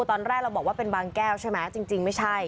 ตอนแรกเราบอกว่าเป็นบางแก้วใช่ไหมจริงไม่ใช่